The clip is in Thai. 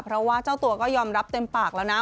เพราะว่าเจ้าตัวก็ยอมรับเต็มปากแล้วนะ